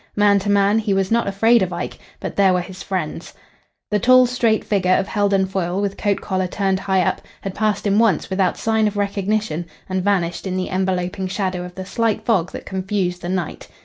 Man to man, he was not afraid of Ike, but there were his friends. The tall straight figure of Heldon Foyle, with coat collar turned high up, had passed him once without sign of recognition and vanished in the enveloping shadow of the slight fog that confused the night.